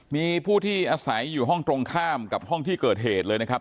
มีผู้ที่อาศัยอยู่ห้องตรงข้ามกับห้องที่เกิดเหตุเลยนะครับ